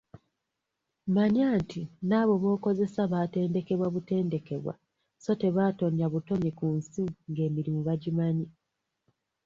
Manya nti n'abo b'okozesa baatendekebwa butendekebwa so tebaatonya butonyi ku nsi ng'emirimu bagimanyi !